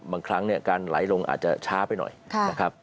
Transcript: บางครั้งเนี่ยการไหลลงอาจจะช้าไปหน่อยนะครับ